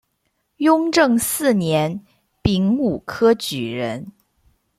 雍正四年丙午科举人。